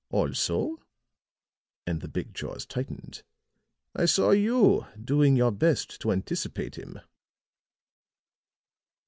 Also," and the big jaws tightened, "I saw you doing your best to anticipate him."